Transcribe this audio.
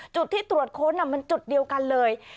จุดที่ตรวจค้นมันจุดเดียวกันเลย